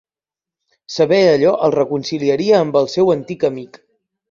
Saber allò el reconciliaria amb el seu antic amic.